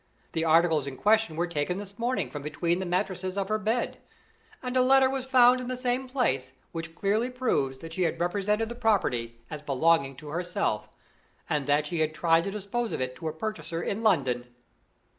The articles in question were taken this morning from between the mattresses of her bed; and a letter was found in the same place which clearly proves that she had represented the property as belonging to herself, and that she had tried to dispose of it to a purchaser in London."